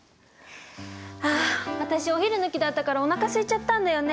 あ私お昼抜きだったからおなかすいちゃったんだよね。